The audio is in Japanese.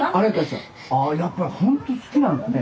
ああやっぱりほんと好きなんだね。